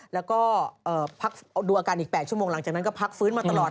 แล้วก็พักดูอาการอีก๘ชั่วโมงหลังจากนั้นก็พักฟื้นมาตลอด